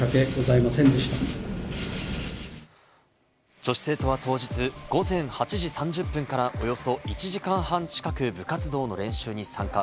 女子生徒は当日、午前８時３０分からおよそ１時間半近く、部活動の練習に参加。